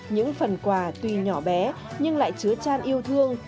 những phần quà tuy nhỏ bé nhưng lại chứa tràn yêu thương